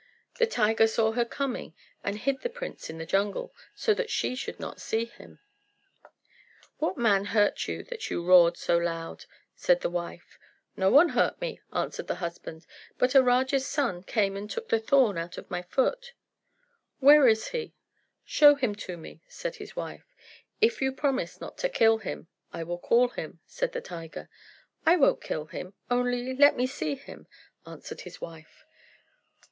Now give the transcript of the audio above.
The tiger saw her coming, and hid the prince in the jungle, so that she should not see him. "What man hurt you that you roared so loud?" said the wife. "No one hurt me," answered the husband; "but a Raja's son came and took the thorn out of my foot." "Where is he? Show him to me," said his wife. "If you promise not to kill him, I will call him," said the tiger. "I won't kill him; only let me see him," answered his wife.